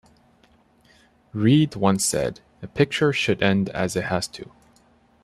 Reed once said: A picture should end as it has to.